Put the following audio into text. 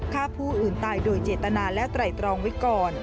ฆ่าผู้อื่นตายโดยเจตนาและไตรตรองไว้ก่อน